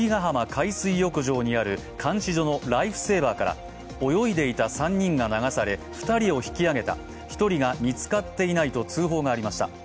海水浴場にある監視所のライフセーバーから泳いでいた３人が流され、２人を引き上げた、１人が見つかっていないと通報がありました。